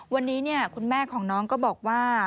วันนี้คุณแม่ของน้องก็บอกว่า